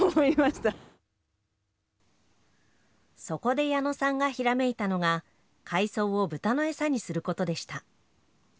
そこで矢野さんがひらめいたのが海藻を豚の餌にすることでした。